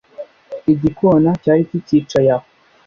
igikona cyari kikicaye aho